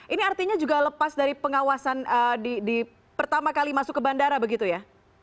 ini artinya juga lepas dari pengawasan pertama kali masuk ke bandara begitu ya